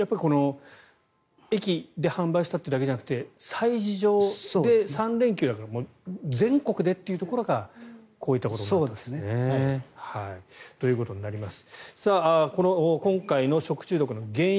駅で販売したというだけじゃなくて催事場で３連休だから全国でっていうところがこういったことになったんですね。ということになります。